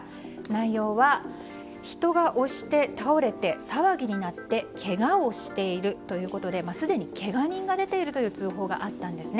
内容は、人が押して倒れて騒ぎになってけがをしているということですでにけが人が出ているという通報があったんです。